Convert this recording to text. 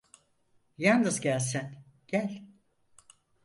Yalnız gel sen, gel…